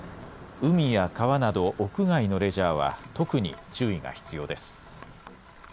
海や川など、屋外のレジャーは特に注意が必要です。